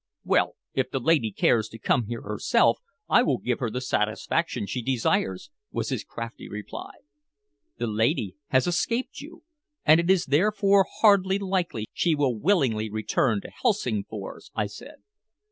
well, if the lady cares to come here herself, I will give her the satisfaction she desires," was his crafty reply. "The lady has escaped you, and it is therefore hardly likely she will willingly return to Helsingfors," I said.